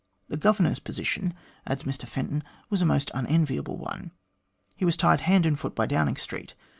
The Governor's position, adds Mr Fenton, was a most unenviable one. He was tied hand and foot by Downing Street.